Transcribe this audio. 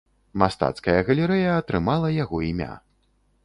Мастацкая галерэя атрымала яго імя.